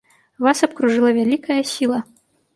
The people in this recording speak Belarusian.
Вас абкружыла вялікая сіла.